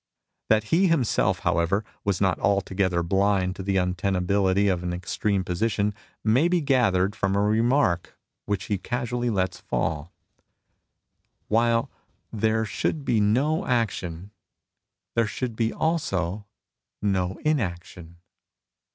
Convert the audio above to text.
That he him self, however, was not altogether blind to the untenability of an extreme position may be gathered from a remark which he casually lets fall :" While there should be no action, there should be also no inaction."